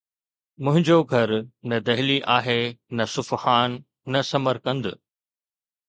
منهنجو گهر نه دهلي آهي نه صفحان نه سمرقند